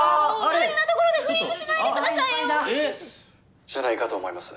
大事なところでフリーズしないでくださいよ。えっ？じゃないかと思います。